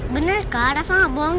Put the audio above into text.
benarkah rafa gak bohong